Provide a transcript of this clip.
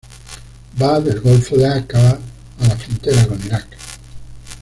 Va del golfo de Áqaba a la frontera con Irak.